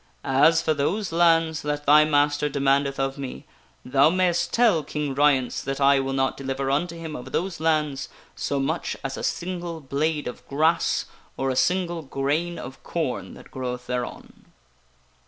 As for those lands that thy master demandeth of me, thou mayst tell King Ryence that I will not deliver unto him of those lands so much as a single blade of grass, or a single grain of corn that groweth thereon."